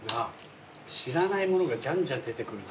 知らないものがじゃんじゃん出てくるな。